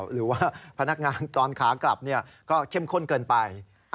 หรือว่าพนักงานตอนขากลับก็เข้มข้นเกินไป